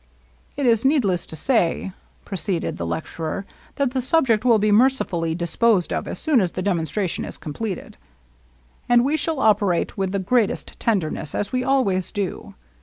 " It is needless to say," proceeded the lecturer, "that the subject will be mercifully disposed of as soon as the demonstration is completed. And we shall operate with the greatest tenderness, as we always do.